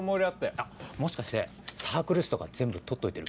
あっもしかしてサークル誌とか全部とっといてる？